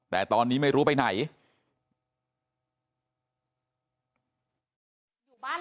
แต่ตอนนี้ไม่รู้ไปไหน